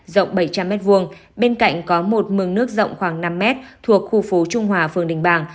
rộng bảy trăm linh m hai bên cạnh có một mương nước rộng khoảng năm m thuộc khu phố trung hòa phường đình bàng